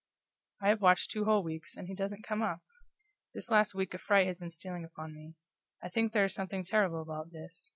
I have watched two whole weeks, and he doesn't come up! This last week a fright has been stealing upon me. I think there is something terrible about this.